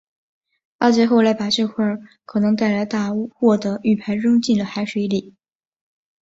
阿杰后来把这块可能带来大祸的玉牌扔进了海水里。